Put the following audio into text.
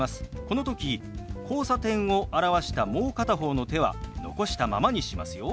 この時「交差点」を表したもう片方の手は残したままにしますよ。